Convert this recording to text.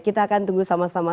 kita akan tunggu sama sama